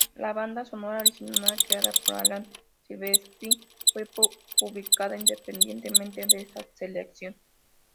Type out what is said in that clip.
La banda sonora original creada por Alan Silvestri fue publicada independientemente de esta selección.